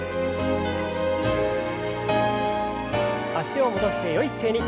脚を戻してよい姿勢に。